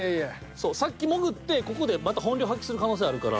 そうさっき潜ってここでまた本領発揮する可能性あるから。